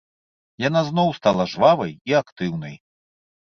Яна зноў стала жвавай і актыўнай.